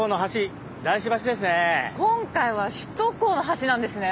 あちら今回は首都高の橋なんですね。